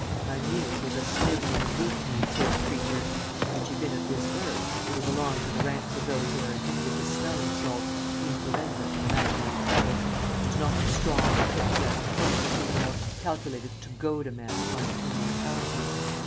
My muse was a snivelling, weak kneed sort of creature, who, had she been of this earth, would have belonged to the ranks of those who are addicted to smelling salts, influenza and imaginary troubles, and not the strong, picturesque, helpful female, calculated to goad a man on to immortality.